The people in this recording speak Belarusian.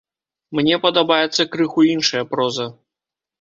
Мне падабаецца крыху іншая проза.